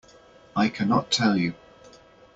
I cannot tell you.